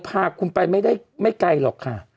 พาคุณไปไม่ได้ไม่ไกลหรอกค่ะ